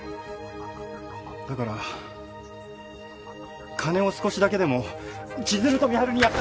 だから金を少しだけでも千鶴と美晴にやって。